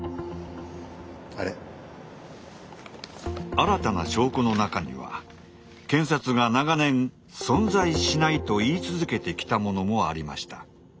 新たな証拠の中には検察が長年「存在しない」と言い続けてきたものもありました。